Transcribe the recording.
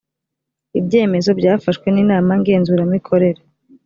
ibyemezo byafashwe n inama ngenzuramikorere